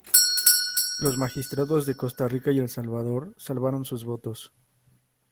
Los magistrados de Costa Rica y El Salvador salvaron sus votos.